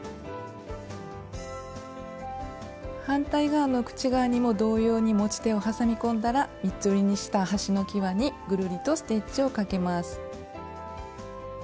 反対側の口側にも同様に持ち手をはさみ込んだら三つ折りにした端のきわにぐるりとステッチをかけます。